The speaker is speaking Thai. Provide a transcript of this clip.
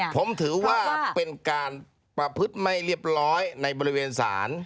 ผมถือว่าเป็นการประพฤติไม่เรียบร้อยในบริเวณศาล